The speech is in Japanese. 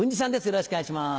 よろしくお願いします。